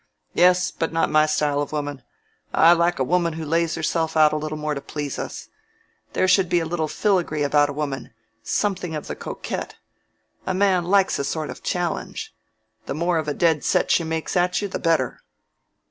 "Yes, but not my style of woman: I like a woman who lays herself out a little more to please us. There should be a little filigree about a woman—something of the coquette. A man likes a sort of challenge. The more of a dead set she makes at you the better."